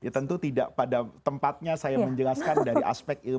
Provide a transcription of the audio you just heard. tentu tidak pada tempatnya saya menjelaskan dari aspek ilmu